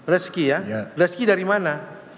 reski ya reski dari mana